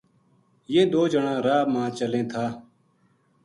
یہ دو جناں راہ ما چلیں تھا